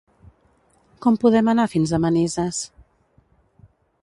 Com podem anar fins a Manises?